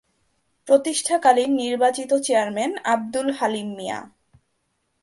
প্রতিষ্ঠাকালীন নির্বাচিত চেয়ারম্যান আঃ হালিম মিয়া।